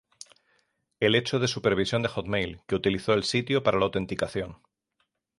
El hecho de supervisión de Hotmail, que utilizó el sitio para la autenticación.